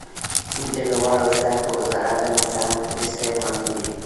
د لوړو زده کړو وزارت د محترم وزیر صاحب منظوري